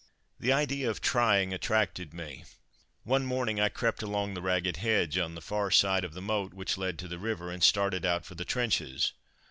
The idea of trying attracted me. One morning I crept along the ragged hedge, on the far side of the moat which led to the river, and started out for the trenches.